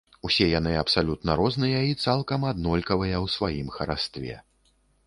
Усе яны абсалютна розныя і цалкам аднолькавыя ў сваім харастве.